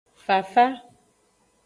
Fafa.